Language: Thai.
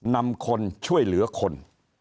นำคนช่วยเหลือคน